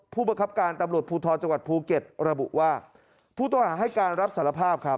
ผู้บังคับการตำรวจภูทรจังหวัดภูเก็ตระบุว่าผู้ต้องหาให้การรับสารภาพครับ